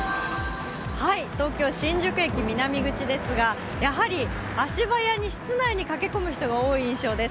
東京・新宿駅南口ですがやはり足早に室内に駆け込む人が多い印象です。